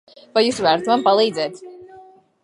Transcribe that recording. Vai jūs varat man palīdzēt?